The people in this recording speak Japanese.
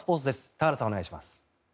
田原さん、お願いします。